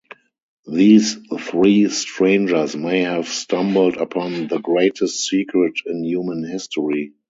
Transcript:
These three strangers may have stumbled upon the greatest secret in human history.